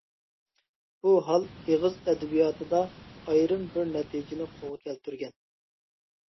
بۇ ھال ئېغىز ئەدەبىياتىدا ئايرىم بىر نەتىجىنى قولغا كەلتۈرگەن.